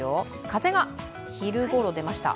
風が昼ごろ、出ました。